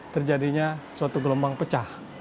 terjadinya suatu gelombang pecah